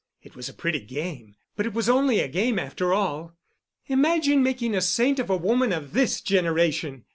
It was a pretty game, but it was only a game after all. Imagine making a saint of a woman of this generation!